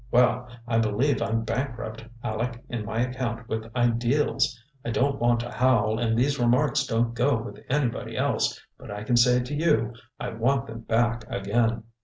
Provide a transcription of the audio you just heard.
Well, I believe I'm bankrupt, Aleck, in my account with ideals. I don't want to howl, and these remarks don't go with anybody else, but I can say, to you, I want them back again."